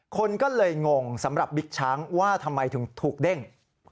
คนก็เลยงงสำหรับบิ๊กช้างว่าทำไมถึงถูกเด้ง